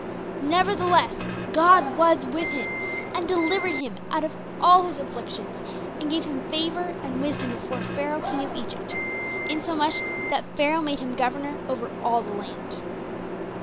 Nevertheless God was with him, and delivered him out of all his afflictions, and gave him favor and wisdom before Pharaoh, King of Egypt, insomuch that Pharaoh made him governor over all the land.